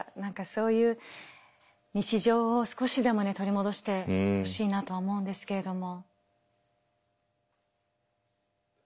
そういう日常を少しでも取り戻してほしいなと思うんですけれども。